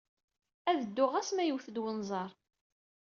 Ad dduɣ ɣas ma iwet-d wenẓar.